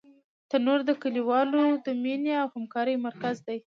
تنور د کلیوالو د مینې او همکارۍ مرکز دی